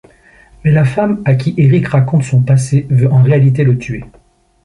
Mais la femme à qui Eric raconte son passé veut en réalité le tuer.